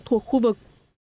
thuộc khu vực